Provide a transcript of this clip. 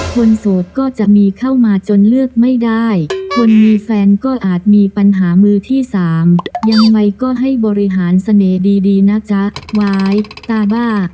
โสดก็จะมีเข้ามาจนเลือกไม่ได้คนมีแฟนก็อาจมีปัญหามือที่สามยังไงก็ให้บริหารเสน่ห์ดีนะจ๊ะว้ายตาบ้า